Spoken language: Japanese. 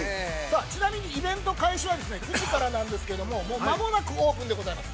◆ちなみにイベント開始は９時からなんですけども、間もなくオープンでございます。